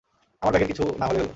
আমার ব্যাগের কিছু না হলেই হল।